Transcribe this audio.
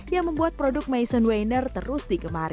yang membuat produk maison weiner terus digemari